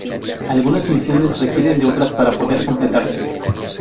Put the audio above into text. Algunas misiones requieren de otras para poder completarse.